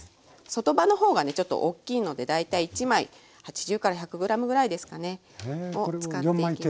外葉の方がねちょっと大きいので大体１枚８０１００ｇぐらいですかね。を使っていきます。